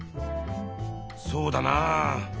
そうだなあ。